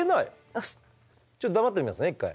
ちょっと黙ってみますね一回。